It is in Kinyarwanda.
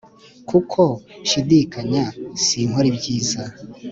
Kuko nshidikanya sinkor' ibyiza.